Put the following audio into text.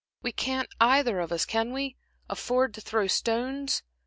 We can't either of us can we? afford to throw stones.